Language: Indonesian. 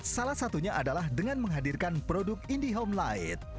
salah satunya adalah dengan menghadirkan produk indihome light